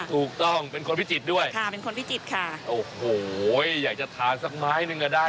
ถูกต้องเป็นคนพิจิตรด้วยค่ะเป็นคนพิจิตรค่ะโอ้โหอยากจะทานสักไม้หนึ่งอ่ะได้